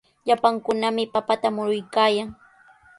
Llapankunami papata muruykaayan.